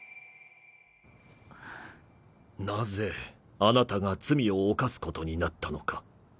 なぜあなたが罪を犯すことになったのか。